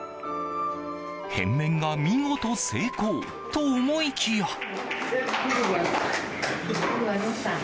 変面が見事成功と思いきや。